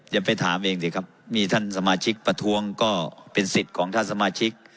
อย่าไปถามเองสิครับมีท่านสมาชิกประท้วงก็เป็นสิทธิ์ของท่านสมาชิก